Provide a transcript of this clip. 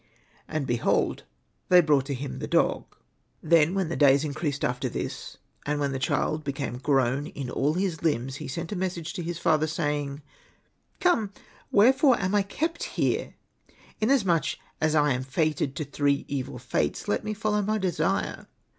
And behold they brought to him the dog. Then when the days increased after this, and when the child became grown in all his limbs, he sent a message to his father say ing, '^Come, wherefore am I kept here? Inasmuch as I am fated to three evil fates^ let me follow my desire.